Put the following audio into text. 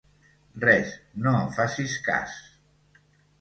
Res, no em facis cas.